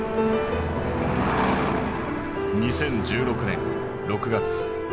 ２０１６年６月